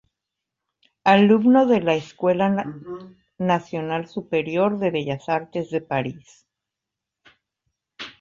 Alumno de la Escuela Nacional Superior de Bellas Artes de París.